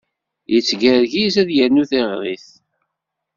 Yettgergiz ad yernu tiɣrit.